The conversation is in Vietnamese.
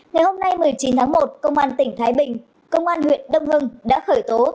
ngày hôm nay một mươi chín tháng một công an tỉnh thái bình công an huyện đông hưng đã khởi tố